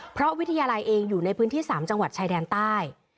เพราะวิทยาลัยเองอยู่ในพื้นที่๓จังหวัดชายแดนใต้